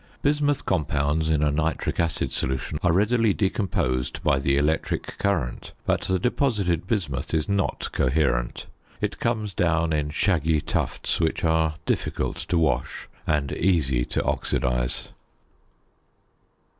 Bismuth compounds in a nitric acid solution are readily decomposed by the electric current, but the deposited bismuth is not coherent. It comes down in shaggy tufts which are difficult to wash and easy to oxidise.